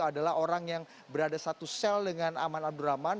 adalah orang yang berada satu sel dengan aman abdurrahman